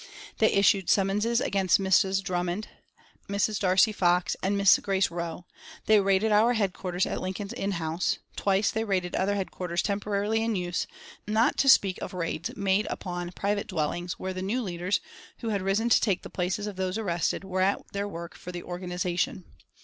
They issued summonses against Mrs. Drummond, Mrs. Dacre Fox and Miss Grace Roe; they raided our headquarters at Lincolns Inn House; twice they raided other headquarters temporarily in use, not to speak of raids made upon private dwellings where the new leaders, who had risen to take the places of those arrested, were at their work for the organisation.